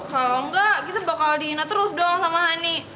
kalau enggak kita bakal diingat terus dong sama hani